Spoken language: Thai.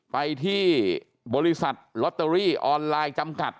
ไปที่บริษัทลอตเตอรี่ออนไลน์จำกัด